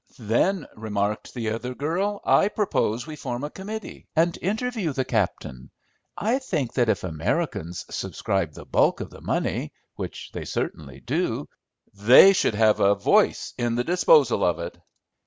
"Then," remarked the other girl, "I propose we form a committee, and interview the captain. I think that if Americans subscribe the bulk of the money, which they certainly do, they should have a voice in the disposal of it."